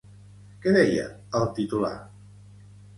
Què deia el titular?